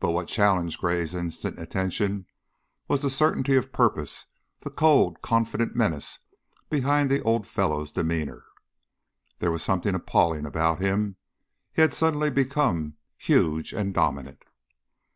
But what challenged Gray's instant attention was the certainty of purpose, the cold, confident menace behind the old fellow's demeanor. There was something appalling about him; he had suddenly become huge and dominant.